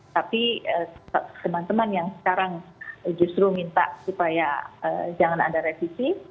tapi teman teman yang sekarang justru minta supaya jangan ada revisi